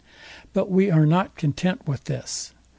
But we are not content with this.